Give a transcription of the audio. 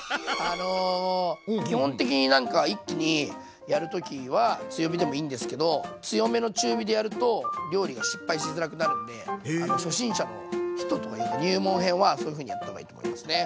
あの基本的になんか一気にやる時は強火でもいいんですけど強めの中火でやると料理が失敗しづらくなるんで初心者の人入門編はそういうふうにやった方がいいと思いますね。